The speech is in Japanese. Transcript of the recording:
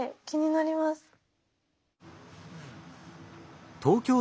気になります。